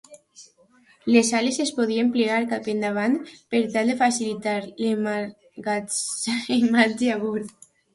Les ales es podien plegar cap endavant per tal de facilitar l'emmagatzematge a bord.